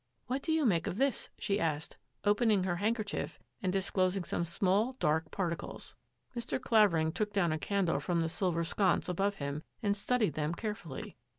" What do you make of this ?" she asked, open ing her handkerchief and disclosing some small, dark particles. Mr. Clavering took down a candle from the silver sconce above him and studied them care fully.